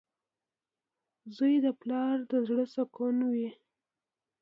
• زوی د پلار د زړۀ سکون وي.